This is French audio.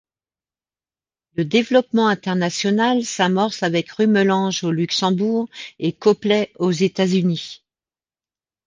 Le développement international s'amorce avec Rumelange au Luxembourg et Coplay aux États-Unis.